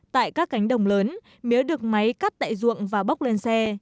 tại các cánh đồng lớn mía được máy cắt tại ruộng và bốc lên xe